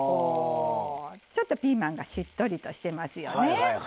ちょっとピーマンがしっとりとしてますよね。